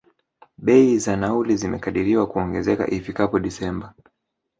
Bei za nauli, zimekadiriwa kuongezeka ifikapo December.